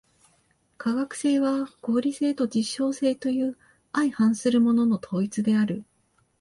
科学性は合理性と実証性という相反するものの統一である。